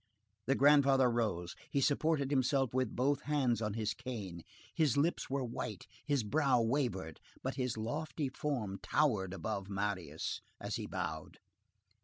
The grandfather rose; he supported himself with both hands on his cane; his lips were white, his brow wavered, but his lofty form towered above Marius as he bowed.